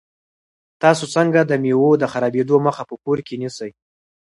تاسو څنګه د مېوو د خرابېدو مخه په کور کې نیسئ؟